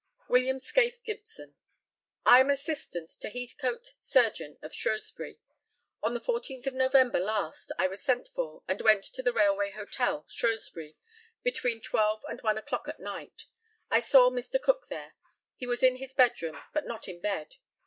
WILLIAM SCAIFE GIBSON: I am assistant to Mr. Heathcote, surgeon, of Shrewsbury. On the 14th of November last I was sent for, and went to the Railway Hotel, Shrewsbury, between twelve and one o'clock at night. I saw Mr Cook there. He was in his bedroom, but not in bed.